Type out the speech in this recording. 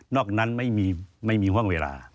อกนั้นไม่มีห่วงเวลา